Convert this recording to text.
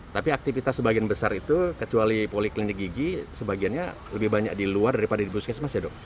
tapi aktivitas sebagian besar itu kecuali poliklinik gigi sebagiannya lebih banyak di luar daripada di puskesmas ya dok